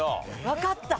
わかった。